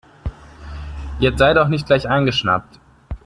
Jetzt sei doch nicht gleich eingeschnappt.